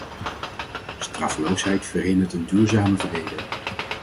Straffeloosheid verhindert een duurzame vrede.